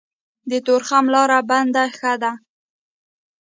د تورخم لاره بنده ښه ده.